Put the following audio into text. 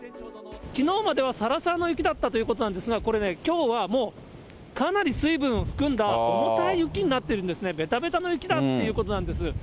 きのうまではさらさらの雪だったということなんですが、これね、きょうはもうかなり水分を含んだ、重たい雪になってるんですね、べたべたの雪だということなんです。